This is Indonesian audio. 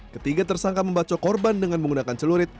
ketiga tersangka membaco korban dengan menggunakan celurit